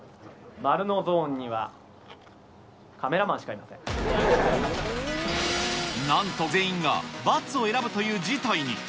〇のゾーンには、カメラマンしかなんと全員が×を選ぶという事態に。